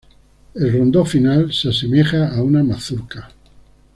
El rondó final se asemeja a una mazurca.